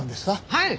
はい。